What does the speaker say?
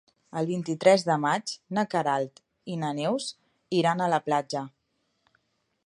El vint-i-tres de maig na Queralt i na Neus iran a la platja.